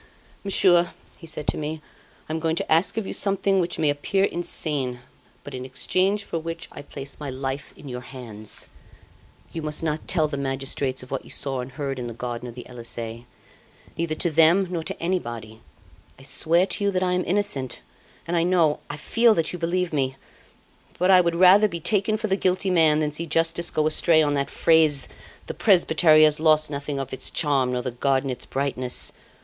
"'Monsieur,' he said to me, 'I am going to ask of you something which may appear insane, but in exchange for which I place my life in your hands. You must not tell the magistrates of what you saw and heard in the garden of the Elysee, neither to them nor to anybody. I swear to you, that I am innocent, and I know, I feel, that you believe me; but I would rather be taken for the guilty man than see justice go astray on that phrase, "The presbytery has lost nothing of its charm, nor the garden its brightness."